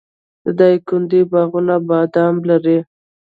د دایکنډي باغونه بادام لري.